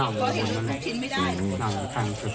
อ่าเค้านั่งอยู่บนกำแพง